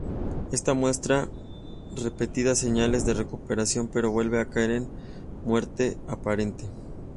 Ésta muestra repetidas señales de recuperación, pero vuelve a caer en muerte aparente.